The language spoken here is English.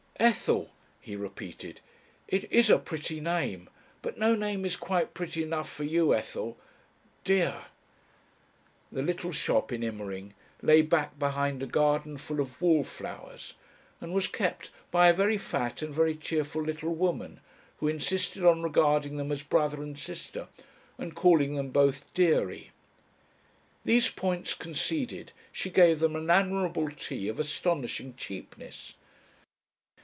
"Ethel," he repeated. "It is a pretty name. But no name is quite pretty enough for you, Ethel ... dear."... The little shop in Immering lay back behind a garden full of wallflowers, and was kept by a very fat and very cheerful little woman, who insisted on regarding them as brother and sister, and calling them both "dearie." These points conceded she gave them an admirable tea of astonishing cheapness.